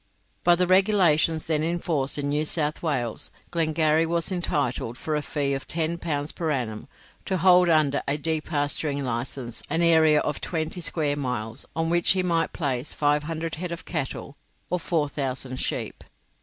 By the regulations then in force in New South Wales, Glengarry was entitled, for a fee of 10 pounds per annum, to hold under a depasturing license an area of twenty square miles, on which he might place 500 head of cattle or 4,000 sheep.